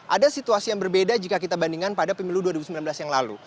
ada situasi yang berbeda jika kita bandingkan pada pemilu dua ribu sembilan belas yang lalu